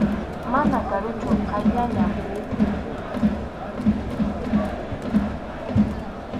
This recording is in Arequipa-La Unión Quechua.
Mana karuchu, qayllallam.